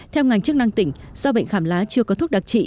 theo ngành chức năng tỉnh do bệnh khảm lá chưa có thuốc đặc trị